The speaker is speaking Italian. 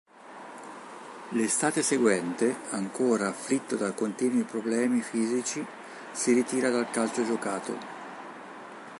L'estate seguente, ancora afflitto da continui problemi fisici, si ritira dal calcio giocato.